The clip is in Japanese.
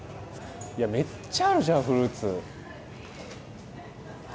めっちゃあるじゃんフルーツ。